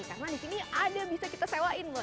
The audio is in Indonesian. karena disini ada bisa kita sewain loh